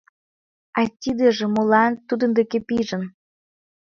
А тидыже молан тудын деке пижын?